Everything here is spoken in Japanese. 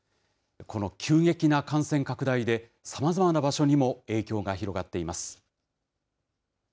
この急激な感染拡大で、さまざまな場所にも影響が広がっています。